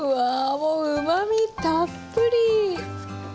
もううまみたっぷり。